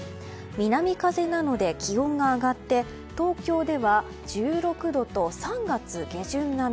南風なので、気温が上がって東京では１６度と３月下旬並み。